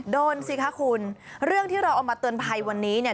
ดูสิคะคุณเรื่องที่เราเอามาเตือนภัยวันนี้เนี่ย